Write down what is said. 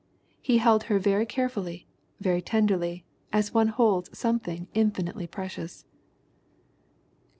He held her very carefully, very tenderly, as one holds something infinitely precious."